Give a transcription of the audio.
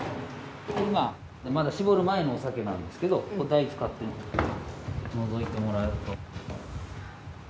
今まだ搾る前のお酒なんですけど台使ってのぞいてもらうと。